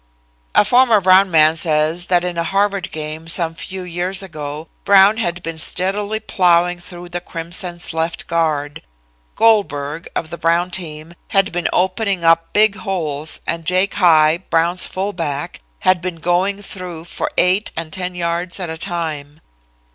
A former Brown man says that in a Harvard game some few years ago, Brown had been steadily plowing through the Crimson's left guard. Goldberg, of the Brown team, had been opening up big holes and Jake High, Brown's fullback, had been going through for eight and ten yards at a time.